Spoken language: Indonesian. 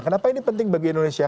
kenapa ini penting bagi indonesia